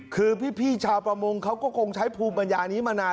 คือพี่ชาวประมงเขาก็คงใช้ภูมิปัญญานี้มานาน